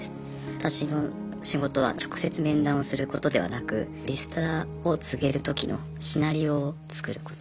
私の仕事は直接面談をすることではなくリストラを告げるときのシナリオを作ること。